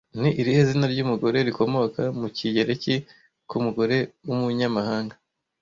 Ni irihe zina ry'umugore rikomoka mu kigereki ku mugore w'umunyamahanga